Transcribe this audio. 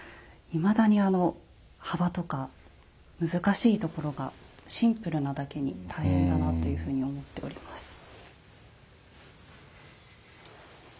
いまだに幅とか難しいところがシンプルなだけに大変だなというふうに思っております。